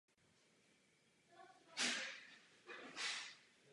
Ta odkazuje na lidskou sexualitu a touhu.